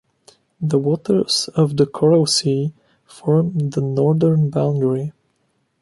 The waters of the "Coral Sea" form the northern boundary.